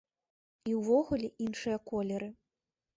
І ўвогуле, іншыя колеры.